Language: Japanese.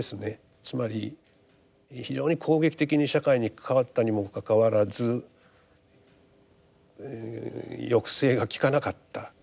つまり非常に攻撃的に社会に関わったにもかかわらず抑制がきかなかった。